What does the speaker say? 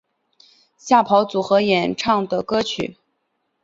吓跑组合演唱的歌曲。